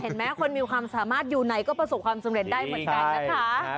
แม้คนมีความสามารถอยู่ไหนก็ประสบความสำเร็จได้เหมือนกันนะคะ